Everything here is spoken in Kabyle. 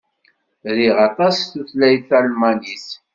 Riɣ aṭas tutlayt Talmanit.